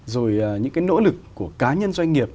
rồi những cái nỗ lực của cá nhân doanh nghiệp